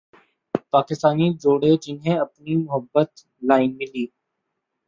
پاکستانی جوڑے جنھیں اپنی محبت لائن ملی